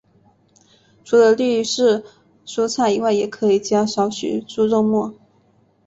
除了绿色蔬菜以外也可以加少许猪肉末。